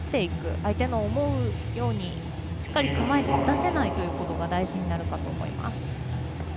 相手の思うようにしっかり構えて打たせないことが大事になるかと思います。